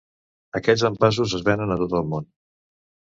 Aquests envasos es venen a tot el món.